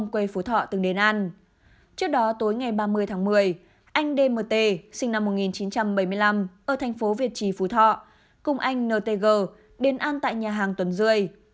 trước đó tối ngày ba mươi một mươi anh dmt sinh năm một nghìn chín trăm bảy mươi năm ở tp việt trì phú thọ cùng anh ntg đến ăn tại nhà hàng tuần rươi